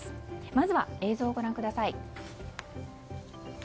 まずは映像をご覧ください。